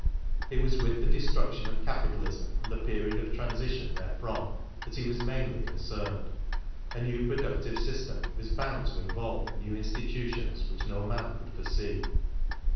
It was with the destruction of capitalism an^ the period of transition therefrom that he was mainly concerned. A new productive system was bound to involve new institutions which no man could foresee.